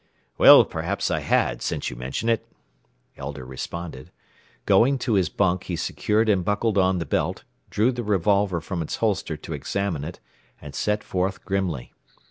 "Well perhaps I had, since you mention it," Elder responded. Going to his bunk, he secured and buckled on the belt, drew the revolver from its holster to examine it, and set forth grimly.